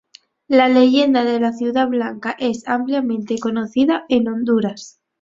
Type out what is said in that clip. La leyenda de la Ciudad Blanca es ampliamente conocido en Honduras.